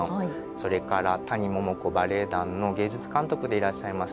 それから谷桃子バレエ団の芸術監督でいらっしゃいます